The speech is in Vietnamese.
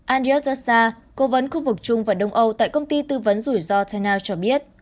andriy dostoyev cố vấn khu vực trung và đông âu tại công ty tư vấn rủi ro ternow cho biết